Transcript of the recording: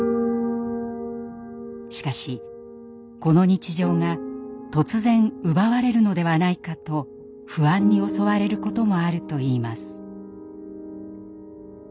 しかしこの日常が突然奪われるのではないかと不安に襲われることもあるといいます。